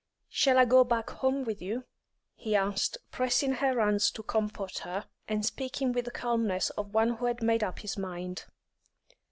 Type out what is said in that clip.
"Shall I go back home with you?" he asked, pressing her hands to comfort her, and speaking with the calmness of one who had made up his mind.